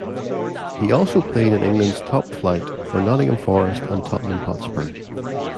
He also played in England's top flight for Nottingham Forest and Tottenham Hotspur.